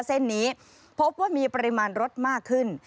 เส้นนี้พบว่ามีปริมาณรถมากขึ้น